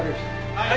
はい。